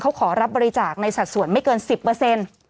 เขาขอรับบริจาคในสัดส่วนไม่เกิน๑๐